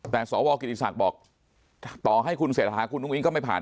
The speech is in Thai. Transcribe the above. แต่สวกิติศักดิ์บอกต่อให้คุณเศรษฐาคุณอุ้งก็ไม่ผ่าน